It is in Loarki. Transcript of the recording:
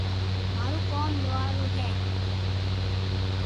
مارو ڪوم لوھار رو ھي